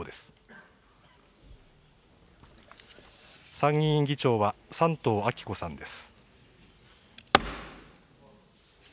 参議院議長は山東昭子さんです。